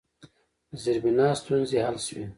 د زیربنا ستونزې حل شوي؟